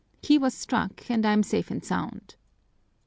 He was struck and I am safe and sound."